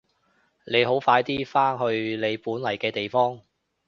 你好快啲返去你本來嘅地方！